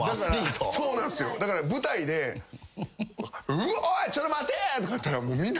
だから舞台で「おいちょっと待て！」とかやったらみんな。